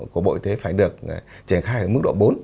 của bộ y tế phải được triển khai ở mức độ bốn